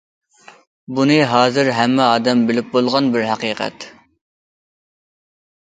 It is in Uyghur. بۇنى ھازىر ھەممە ئادەم بىلىپ بولغان بىر ھەقىقەت.